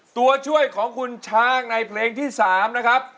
ตัวช่วยของคุณช้างในเพลงที่๓นะครับ